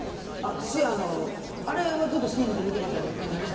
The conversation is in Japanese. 私、あれはずっとシリーズで見てましたね。